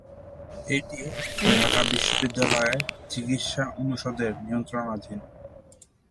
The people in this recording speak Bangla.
এটি ঢাকা বিশ্ববিদ্যালয়ের চিকিৎসা অনুষদের নিয়ন্ত্রণাধীন।